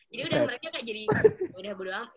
jadi udah mereka kayak jadi yaudah bodo amat